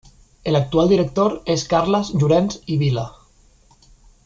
El actual director es Carles Llorens i Vila.